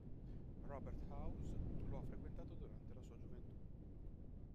Robert House lo ha frequentato durante la sua gioventù.